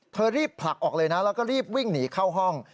เธอรีบผลักออกเลยนะแล้วก็รีบวิ่งหนีเข้าห้อง